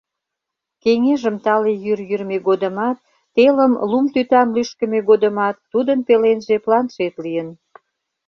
Кеҥежым тале йӱр йӱрмӧ годымат, телым лум тӱтан лӱшкымӧ годымат тудын пеленже планшет лийын.